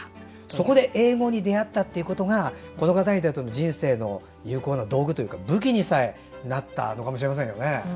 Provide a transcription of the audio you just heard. そこで英語に出会ったことが人生の有効な道具というか武器にさえなったのかもしれませんよね。